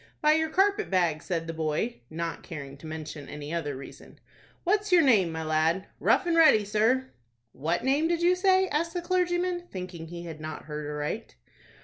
"By your carpet bag," said the boy, not caring to mention any other reason. "What's your name, my lad?" "Rough and Ready, sir." "What name did you say?" asked the clergyman, thinking he had not heard aright.